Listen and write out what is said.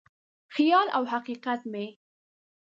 خیال او حقیقت مې یې